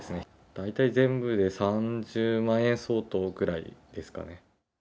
大体、全部で３０万円相当ぐらいですかね。